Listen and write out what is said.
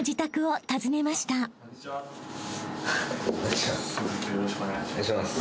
よろしくお願いします。